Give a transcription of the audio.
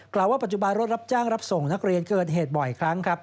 กล่าว่าปัจจุบันรถรับจ้างรับส่งนักเรียนเกิดเหตุบ่อยครั้งครับ